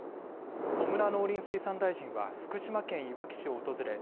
野村農林水産大臣は福島県いわき市を訪れ